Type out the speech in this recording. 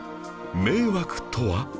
迷惑とは？